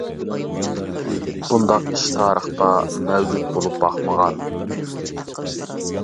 بۇنداق ئىش تارىختا مەۋجۇت بولۇپ باقمىغان.